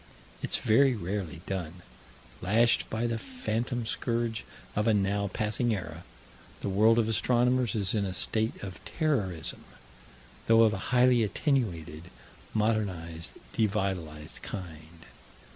It's very rarely done. Lashed by the phantom scourge of a now passing era, the world of astronomers is in a state of terrorism, though of a highly attenuated, modernized, devitalized kind.